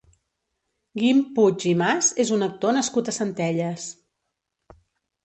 Guim Puig i Mas és un actor nascut a Centelles.